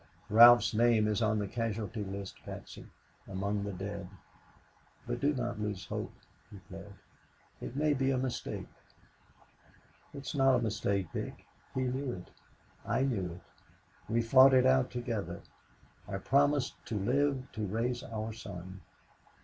"Ralph's name is on the casualty list, Patsy among the dead. But do not lose hope," he pled, "it may be a mistake." "It is not a mistake, Dick. He knew it. I knew it. We fought it out together. I promised to live to raise our son.